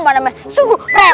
hai dan yang iya